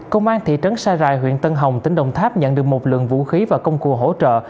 công an thị trấn sa rài huyện tân hồng tỉnh đồng tháp nhận được một lượng vũ khí và công cụ hỗ trợ